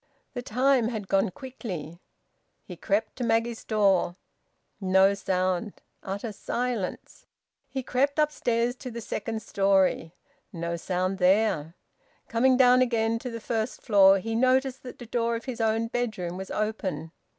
The time had gone quickly. He crept to Maggie's door. No sound! Utter silence! He crept upstairs to the second storey. No sound there! Coming down again to the first floor he noticed that the door of his own bedroom was open.